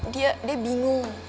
dia dia bingung